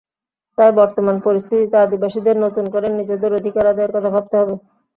তাই বর্তমান পরিস্থিতিতে আদিবাসীদের নতুন করে নিজেদের অধিকার আদায়ের কথা ভাবতে হবে।